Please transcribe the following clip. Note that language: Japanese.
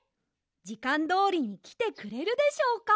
じかんどおりにきてくれるでしょうか。